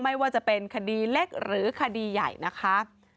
ไม่ว่าจะเป็นคดีเล็กหรือคดีใหญ่นะคะ